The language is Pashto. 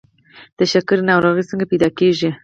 د شکر ناروغي څنګه پیدا کیږي؟